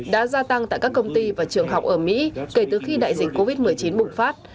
đã gia tăng tại các công ty và trường học ở mỹ kể từ khi đại dịch covid một mươi chín bùng phát